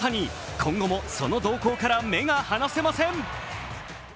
今後もその動向から目が離せません。